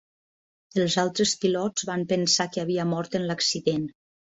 Els altres pilots van pensar que havia mort en l'accident.